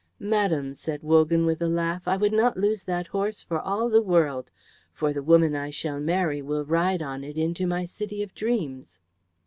"Madam," said Wogan, with a laugh, "I would not lose that horse for all the world, for the woman I shall marry will ride on it into my city of dreams."